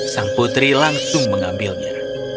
sang putri langsung mengambilnya